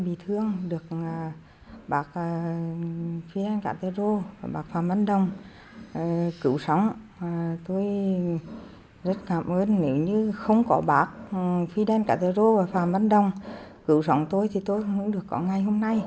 bác fidel castro và phạm văn đồng cứu sống tôi thì tôi không được có ngày hôm nay